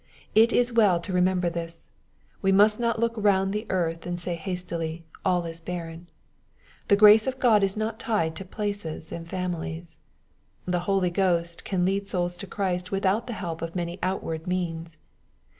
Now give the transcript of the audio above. It is well to remember this. We must not look round the earth and say hastily, " all is barren." The grace of God is not tied to places and families. The Holy Ghost can lead souls to Christ without the help of many outward means.